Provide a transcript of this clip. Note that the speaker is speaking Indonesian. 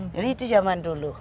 jadi itu zaman dulu